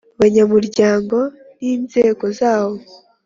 banyamuryango n inzego zawo